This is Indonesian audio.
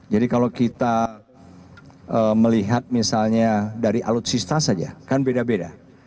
jadi kalau kita melihat misalnya dari alutsista saja kan beda beda